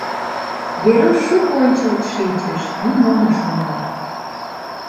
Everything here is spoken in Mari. Веруш шуко ончылт шинчыш, нимом ыш умыло.